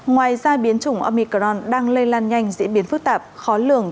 ngoài ra biến chủng omicron đang lây lan nhanh diễn biến phức tạp khó lường